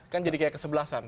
kan jadi kayak kesebelasan